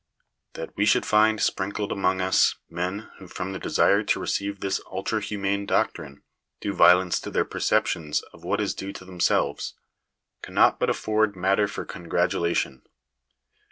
That we should find sprinkled amongst us, men, who from the desire to receive this ultra humane doctrine do violence to their per ceptions of what is due to themselves, cannot but afford matter for congratulation.